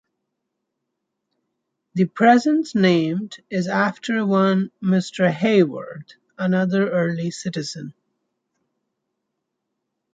The present name is after one Mr. Hayward, another early citizen.